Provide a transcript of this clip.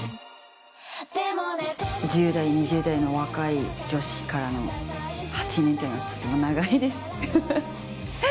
１０代２０代の若い女子からの８年っていうのはとても長いですフフフ。